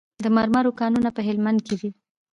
د مرمرو کانونه په هلمند کې دي